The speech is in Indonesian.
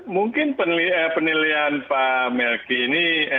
mungkin penilaian pak melki ini